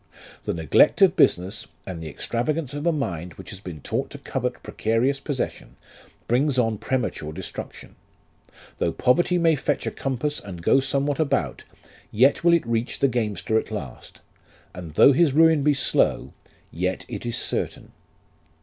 The neglect of business, and the extravagance of a mind which has been taught to covet precarious possession, brings on premature destruction ; though poverty may fetch a compass and go somewhat about, yet will it reach the gamester at last ; and though his ruin be slow, yet it is certain.